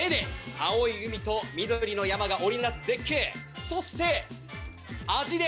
青い海と緑の山が織り成す絶景そして味で！